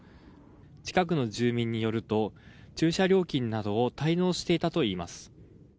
近くの住民によると駐車料金などを滞納していたといいます。